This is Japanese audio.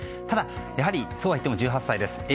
ただ、やはりそうはいっても１８歳です。